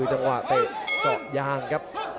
ส่วนหน้านั้นอยู่ที่เลด้านะครับ